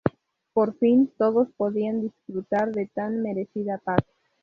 Por fin todos podían disfrutar de tan merecida paz.